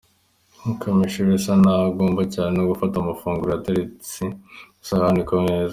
Kamichi bisa naho agorwa cyane no gufata amafunguro yateretse isahani ku meza.